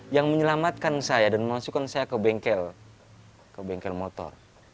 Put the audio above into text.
yang menyelamatkan saya dan memasukkan saya ke bengkel motor